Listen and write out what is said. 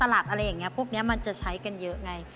ไม่ผมว่าสลัดอะไรอย่างนี้พวกนี้มันจะใช้กันเยอะไง